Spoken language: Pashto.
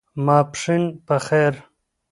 ماسپښېن په خیر !